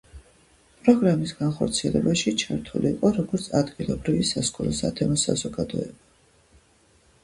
პროგრამის განხორციელებაში ჩართული იყო როგორც ადგილობრივი სასკოლო სათემო საზოგადოება